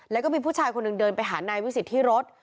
แล้วก็มีผู้ชายคนหนึ่งเดินไปหานายวิสิทธิ์ที่รถ